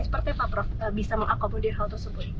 seperti apa prof bisa mengakomodir hal tersebut